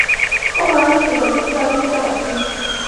该堂的历史可追溯到基督教早期。